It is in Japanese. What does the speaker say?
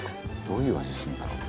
「どういう味するんだろう？」